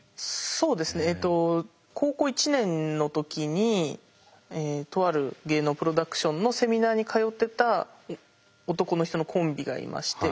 そうですねえと高校１年の時にとある芸能プロダクションのセミナーに通ってた男の人のコンビがいまして。